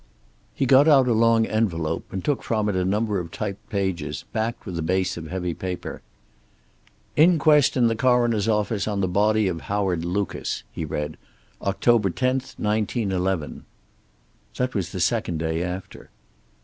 He got out a long envelope, and took from it a number of typed pages, backed with a base of heavy paper. "'Inquest in the Coroner's office on the body of Howard Lucas,'" he read. "'October 10th, 1911.' That was the second day after.